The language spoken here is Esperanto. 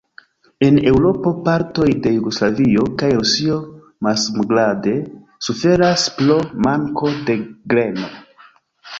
En Eŭropo, partoj de Jugoslavio kaj Rusio malsamgrade suferas pro manko de greno.